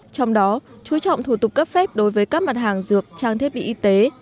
trong đó chú trọng thủ tục cấp phép đối với các mặt hàng dược trang thiết bị y tế